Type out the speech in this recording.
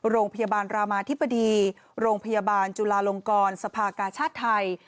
โรงพยาบาลรามาธิบดีโรงพยาบาลจุลาลงกรสภากาชาติไทย